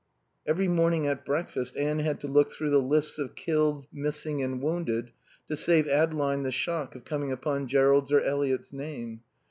Every morning at breakfast Anne had to look through the lists of killed, missing and wounded, to save Adeline the shock of coming upon Jerrold's or Eliot's name.